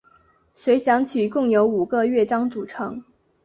随想曲共有五个乐章组成。